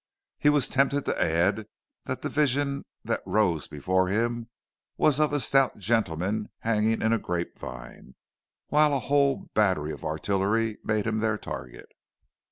He was tempted to add that the vision that rose before him was of a stout gentleman hanging in a grape vine, while a whole battery of artillery made him their target.